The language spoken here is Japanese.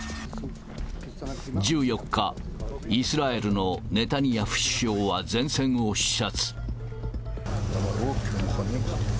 １４日、イスラエルのネタニヤフ首相は前線を視察。